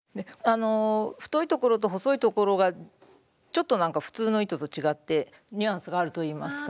太いところと細いところがちょっと普通の糸と違ってニュアンスがあるといいますか。